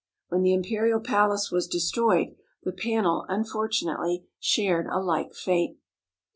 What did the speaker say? When the imperial palace was destroyed, the panel unfortunately shared a like fate.